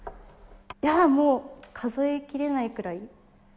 いやもう数えきれないくらい。